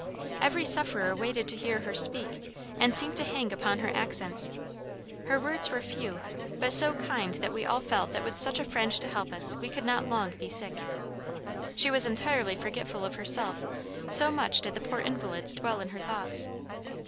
Every sufferer waited to hear her speak and seemed to hang upon her accents. Her words were few, but so kind that we all felt that with such a friend to help us we could not long be sick. "She was entirely forgetful of herself, so much did the poor invalids dwell in her thoughts.